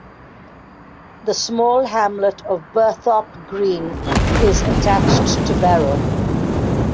The small hamlet of Burthorpe Green is attached to Barrow.